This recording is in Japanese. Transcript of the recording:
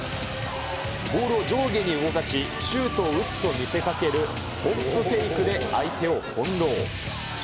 ボールを上下に動かし、シュートを打つと見せかける、ポンプフェイクで相手を翻弄。